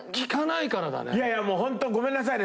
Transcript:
いやいやもうホントごめんなさいね